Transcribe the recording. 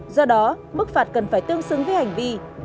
do đó mức phạt cần phải tương xứng với hành vi